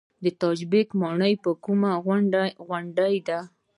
تاج بیګ ماڼۍ په کومه غونډۍ ده؟